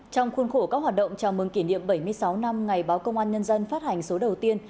trong khuôn khổ các hoạt động chào mừng kỷ niệm bảy mươi sáu năm ngày báo công an nhân dân phát hành số đầu tiên